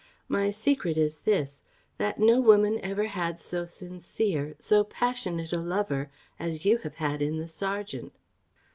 My secret is this; that no woman ever had so sincere, so passionate a lover, as you have had in the serjeant."